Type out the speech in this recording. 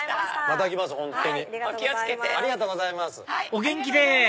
お元気で！